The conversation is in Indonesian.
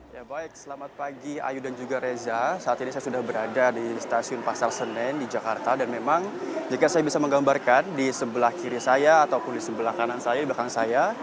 ya baik selamat pagi ayu dan juga reza saat ini saya sudah berada di stasiun pasar senen di jakarta dan memang jika saya bisa menggambarkan di sebelah kiri saya ataupun di sebelah kanan saya di belakang saya